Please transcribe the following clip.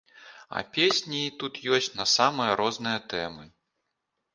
А песні тут ёсць на самыя розныя тэмы.